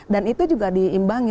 dan itu juga diimbangi